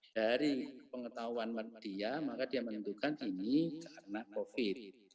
dari pengetahuan dia maka dia menentukan ini karena covid